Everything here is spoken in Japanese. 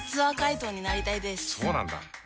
そうなんだ。